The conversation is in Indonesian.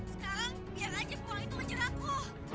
sekarang biar aja buang itu menjeratku